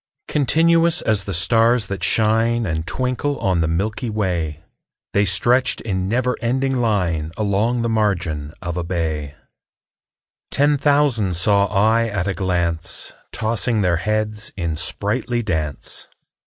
Continuous as the stars that shine And twinkle on the milky way, The stretched in never ending line Along the margin of a bay: Ten thousand saw I at a glance, Tossing their heads in sprightly dance.